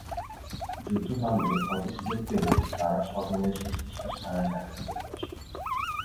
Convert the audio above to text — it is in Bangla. যুদ্ধ থামলে হয়তো সুযোগ পেলে তারা স্বজনের শেষনিঃশ্বাস ছাড়ার জায়গাটা দেখে আসে।